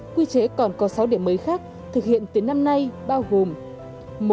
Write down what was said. quy chế còn có sáu điểm mới khác thực hiện từ năm nay bao gồm